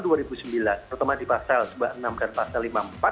terutama di pasal sembilan puluh enam dan pasal lima puluh empat